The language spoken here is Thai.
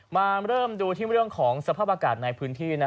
มาเริ่มดูที่เรื่องของสภาพอากาศในพื้นที่